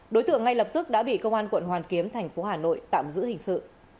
đối tượng ngay lập tức đã bị công an quận hoàn kiếm thành phố hà nội tạm giữ hình sự